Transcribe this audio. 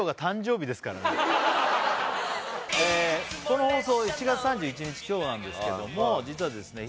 この放送７月３１日今日なんですけども実はですね